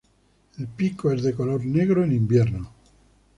El pico es de color negro en invierno.